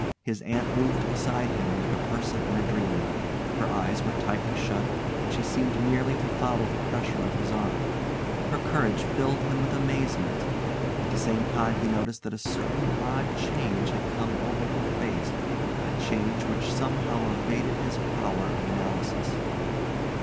His aunt moved beside him like a person in a dream. Her eyes were tightly shut, and she seemed merely to follow the pressure of his arm. Her courage filled him with amazement. At the same time he noticed that a certain odd change had come over her face, a change which somehow evaded his power of analysis.